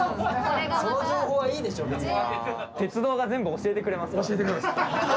その情報はいいでしょ別に。